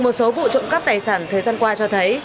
một số vụ trộm cắp tài sản thời gian qua cho thấy